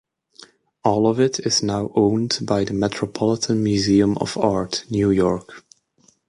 All of it is now owned by the Metropolitan Museum of Art, New York.